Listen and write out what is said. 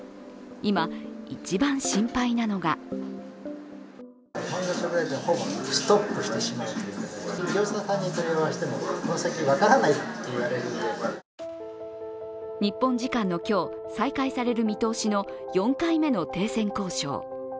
今、一番心配なのが日本時間の今日再開される見通しの４回目の停戦交渉。